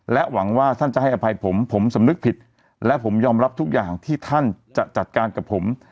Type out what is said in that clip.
หวังว่าท่านจะให้อภัยผมผมสำนึกผิดและผมยอมรับทุกอย่างที่ท่านจะจัดการกับผม